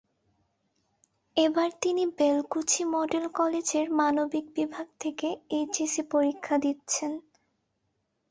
এবার তিনি বেলকুচি মডেল কলেজের মানবিক বিভাগ থেকে এইচএসসি পরীক্ষা দিচ্ছেন।